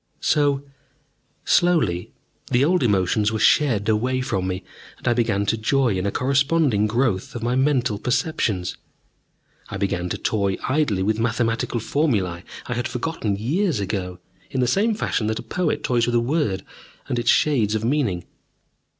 So, slowly, the old emotions were shed away from me, and I began to joy in a corresponding growth of my mental perceptions. I began to toy idly with mathematical formulae I had forgotten years ago, in the same fashion that a poet toys with a word and its shades of meaning.